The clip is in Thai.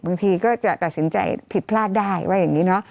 บางทีก็จะตัดสินใจผิดพลาดได้ว่าอย่างนี้เนาะ